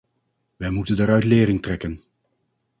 Wij moeten daaruit lering trekken.